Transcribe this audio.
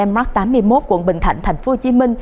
trong tòa nhà landmark tám mươi một quận bình thạnh tp hcm